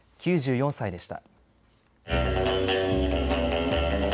９４歳でした。